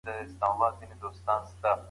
پوهېږي چې نبات څه وخت اوبو ته اړتیا لري.